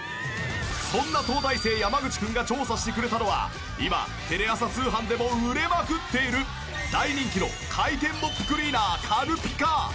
そんな東大生山口君が調査してくれたのは今テレ朝通販でも売れまくっている大人気の回転モップクリーナー軽ピカ。